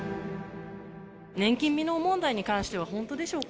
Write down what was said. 年金未納問題に関しては本当でしょうか？